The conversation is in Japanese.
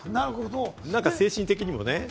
何か精神的にもね。